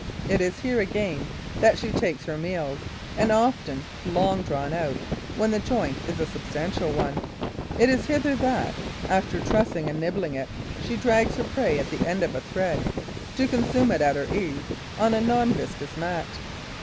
It is here, again, that she takes her meals, often long drawn out, when the joint is a substantial one; it is hither that, after trussing and nibbling it, she drags her prey at the end of a thread, to consume it at her ease on a non viscous mat.